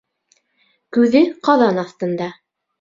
Күҙе ҡаҙан аҫтында.